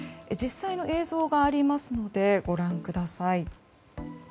実際の映像がありますのでご覧ください。